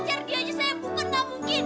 pacar dia aja saya bukan tak mungkin